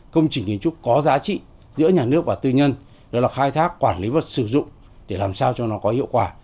công trình kiến trúc có giá trị giữa nhà nước và tư nhân đó là khai thác quản lý và sử dụng để làm sao cho nó có hiệu quả